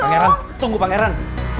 pangeran tunggu pangeran